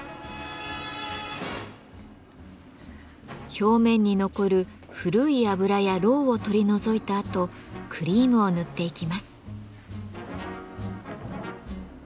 表面に残る古い油やろうを取り除いたあとクリームを塗っていきます。